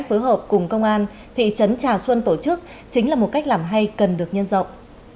phối hợp cùng công an thị trấn trà xuân tổ chức chính là một cách làm hay cần được nhân rộng